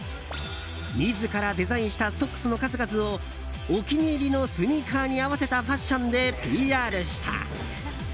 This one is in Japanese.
自らデザインしたソックスの数々をお気に入りのスニーカーに合わせたファッションでＰＲした。